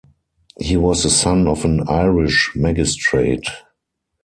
He was the son of an Irish magistrate.